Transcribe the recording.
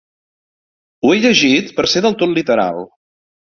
Ho he llegit per ser del tot literal.